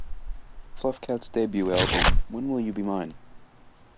Fluff Catt's debut album When Will You Be Mine?